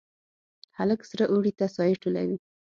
هلک سره اوړي ته سایې ټولوي